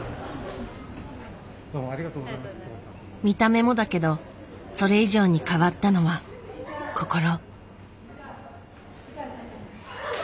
見た目もだけどそれ以上に変わったのは心。